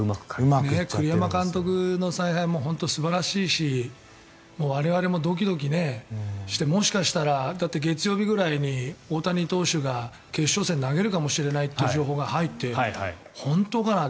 栗山監督の采配も本当に素晴らしいし我々もドキドキしてもしかしたらだって、月曜日くらいに大谷投手が決勝戦投げるかもしれないという情報が入って本当かなと。